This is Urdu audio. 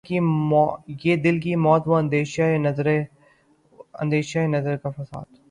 یہ دل کی موت وہ اندیشہ و نظر کا فساد